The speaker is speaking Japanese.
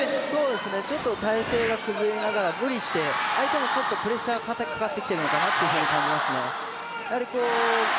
ちょっと体勢が崩れながら無理して相手もちょっとプレッシャーがかかってきてるのかなと感じますね。